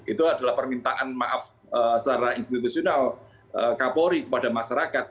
itu adalah permintaan maaf secara institusional kapolri kepada masyarakat